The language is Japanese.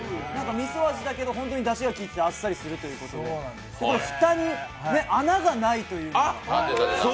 みそ味だけど本当にだしがきいていておいしいということで蓋に穴がないという。